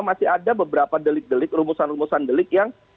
masih ada beberapa delik delik rumusan rumusan delik yang